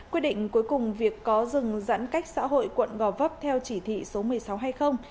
quyết định cuối cùng việc có dừng giãn cách xã hội quận gò vấp theo chỉ thị số một nghìn sáu trăm hai mươi